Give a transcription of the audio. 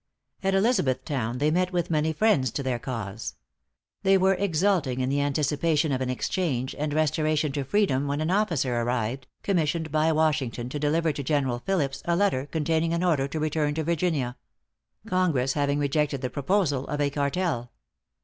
At Elizabethtown they met with many friends to their cause. They were exulting in the anticipation of an exchange, and restoration to freedom, when an officer arrived, commissioned by Washington to deliver to General Phillips a letter containing an order to return to Virginia Congress having rejected the proposal of a cartel.